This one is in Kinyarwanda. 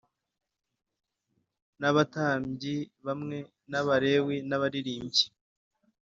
n abatambyi bamwe n Abalewi n abaririmbyi